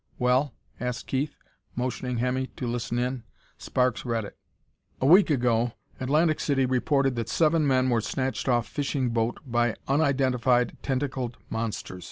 "Well?" asked Keith, motioning Hemmy to listen in. Sparks read it. "'A week ago Atlantic City reported that seven men were snatched off fishing boat by unidentified tentacled monsters.